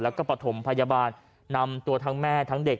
แล้วก็ประถมพยาบาลนำตัวทั้งแม่ทั้งเด็ก